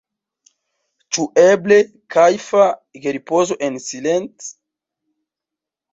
Ĉu eble kajfa geripozo en silent?